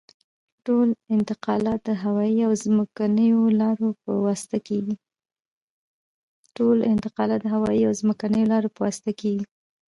ټول انتقالات د هوایي او ځمکنیو لارو په واسطه کیږي